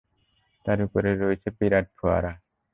তার উপর রয়েছে বিরাট ফোয়ারা।